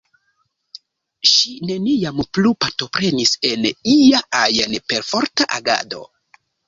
Ŝi neniam plu partoprenis en ia ajn perforta agado.